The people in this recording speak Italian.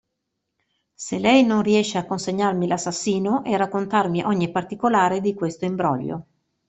Se lei non riesce a consegnarmi l'assassino e a raccontarmi ogni particolare di questo imbroglio.